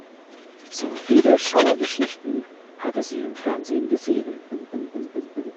Zu viele Schauergeschichten hatte sie im Fernsehen gesehen.